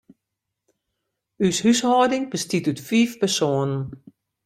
Us húshâlding bestiet út fiif persoanen.